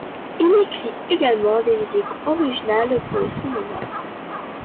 Il écrit également des musiques originales pour le cinéma.